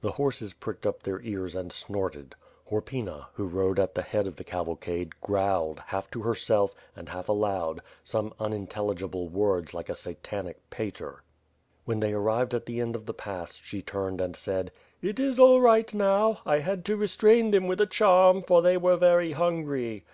The horses pricked up their ears and snorted. Horpyna, who rode at the head of the cavalcade, growled, half to her self, and half aloud, some unintelligible words like a Satanic pater. When they arrived at the end of the pass, she turned and said: "It is all right now. I had to restrain them with a charm for they were very hungry.